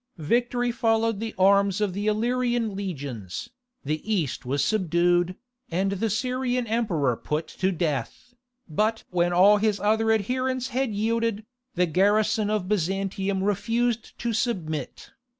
Victory followed the arms of the Illyrian legions, the east was subdued, and the Syrian emperor put to death. But when all his other adherents had yielded, the garrison of Byzantium refused to submit.